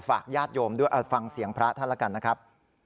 ญาติโยมด้วยเอาฟังเสียงพระท่านแล้วกันนะครับ